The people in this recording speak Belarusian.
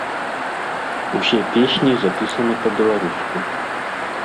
Усе песні запісаны па-беларуску.